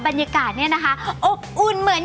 บรรยากาศเนี่ยนะคะอบอุ่นเหมือน